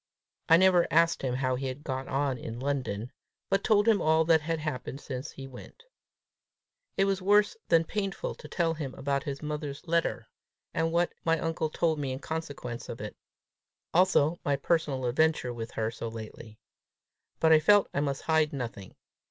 I never asked him how he had got on in London, but told him all that had happened since he went. It was worse than painful to tell him about his mother's letter, and what my uncle told me in consequence of it, also my personal adventure with her so lately; but I felt I must hide nothing.